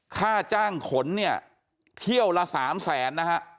ค่าจ้างขนเที่ยวละสามแสน